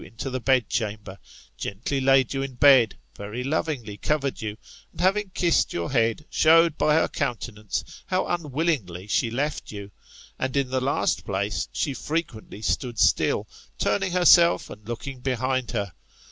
2 1 into the bed chamber, gently laid you in bed, very lovingly covered you, and having kissed your head, showed by her countenance how unwillingly she left you ; and in the last place, she frequently stood still, turning herself, and looking behind her.